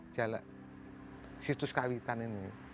jalak situs kawitan ini